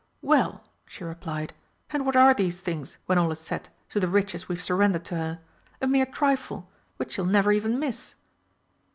"Well," she replied, "and what are these things, when all is said, to the riches we've surrendered to her? A mere trifle which she'll never even miss!"